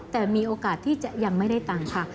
แต่มีโอกาสที่จะยังไม่ได้ตังค์ค่ะ